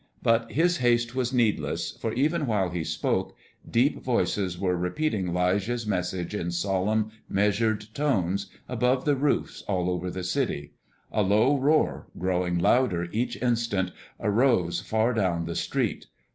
But his haste was needless, for even while he spoke, deep voices were repeating 'Lijah's message in solemn, measured tones, above the roofs all over the city; a low roar, growing louder each instant, arose far down the street.